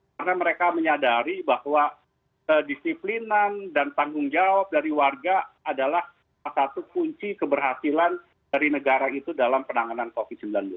karena mereka menyadari bahwa disiplinan dan tanggung jawab dari warga adalah satu satunya kunci keberhasilan dari negara itu dalam penanganan covid sembilan belas